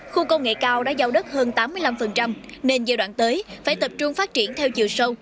khu công nghệ cao đã giao đất hơn tám mươi năm nên giai đoạn tới phải tập trung phát triển theo chiều sâu